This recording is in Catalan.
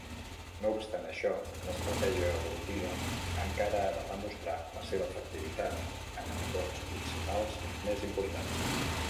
No obstant això, l'estratègia evolutiva encara ha de demostrar la seva efectivitat en entorns principals més importants.